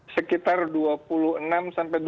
sekitar dua puluh enam sampai dua puluh sembilan persen itu